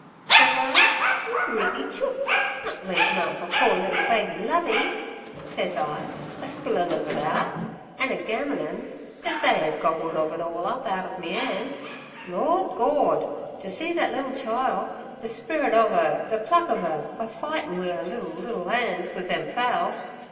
sez I, "you greedy chooks, nut leave none fer poor liddle baby Lovey!" sez I, a spillin' ov it out, an' a gammunin' az they 'ad gobbled ov it all up out ov me 'ands. Lord Gord! ter see thet liddle child, the spirit ov 'er, the pluck ov 'er, a fightin' wi' 'er liddle, liddle 'ands wi' them fowls!